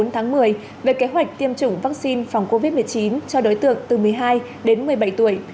bốn tháng một mươi về kế hoạch tiêm chủng vaccine phòng covid một mươi chín cho đối tượng từ một mươi hai đến một mươi bảy tuổi